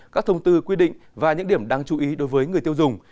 các thông tư quy định và những điểm đáng chú ý đối với người tiêu dùng